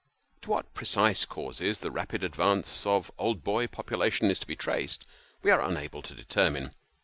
To what precise causes the rapid advance of old boy population is to be traced, we are unable to determine.